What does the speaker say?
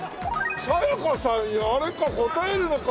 さやかさんやると応えるのか。